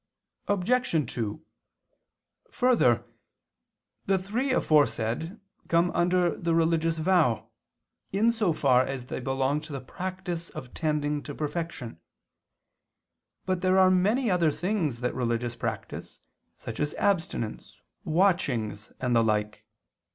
Obj. 2: Further, the three aforesaid come under the religious vow, in so far as they belong to the practice of tending to perfection. But there are many other things that religious practice, such as abstinence, watchings, and the like.